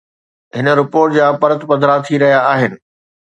هن رپورٽ جا پرت پڌرا ٿي رهيا آهن.